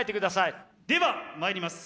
ではまいります。